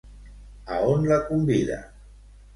A on la convida?